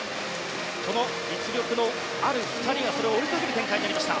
この実力のある２人が追いかける展開になってきました。